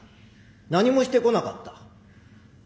何もしてこなかった。